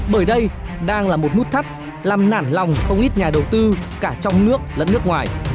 bởi đây đang là một nút thắt làm nản lòng không ít nhà đầu tư cả trong nước lẫn nước ngoài